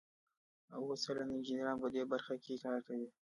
اوه سلنه انجینران په دې برخه کې کار کوي.